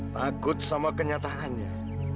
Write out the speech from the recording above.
takut sama kenyataannya